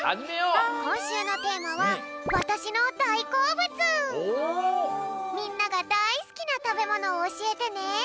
こんしゅうのテーマはみんながだいすきなたべものをおしえてね。